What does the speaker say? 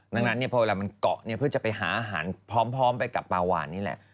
ดังนั้นพอเวลามันเกาะเพื่อจะไปหาอาหารพร้อมไปกับปลาวานนี่แหละ